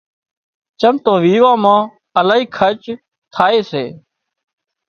چم تو ويوان مان الاهي خرچ ٿائي سي